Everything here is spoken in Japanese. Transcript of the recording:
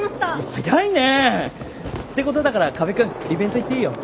早いね！ってことだから河辺君イベント行っていいよ。